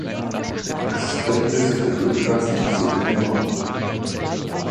Es ist flächenmäßig der drittkleinste Bezirk in Nevada.